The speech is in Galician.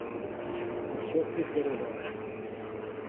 O xefe quere verte.